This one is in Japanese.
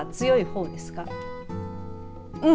うん。